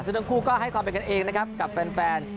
ซึ่งทั้งคู่ก็ให้ความเป็นกันเองนะครับกับแฟน